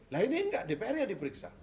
lah ini nggak dpr nya yang diperiksa